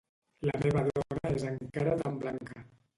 La meva dona és encara tan blanca.